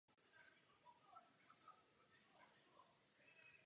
Vyhledávají vlhčí prostředí.